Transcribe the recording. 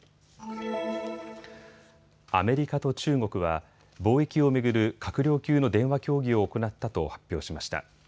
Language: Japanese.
アメリカと中国は貿易を巡る閣僚級の電話協議を行ったと発表しました。